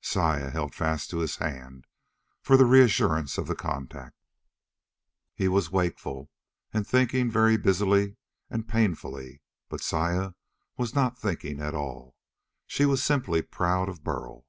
Saya held fast to his hand, for the reassurance of the contact. He was wakeful, and thinking very busily and painfully, but Saya was not thinking at all. She was simply proud of Burl.